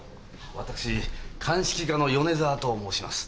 私鑑識課の米沢と申します。